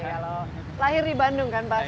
kalau lahir di bandung kan pasti